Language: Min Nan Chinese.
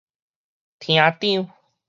廳長